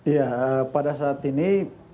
ya pada saat ini